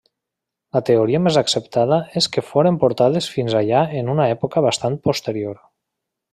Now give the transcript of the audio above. La teoria més acceptada és que foren portades fins allà en una època bastant posterior.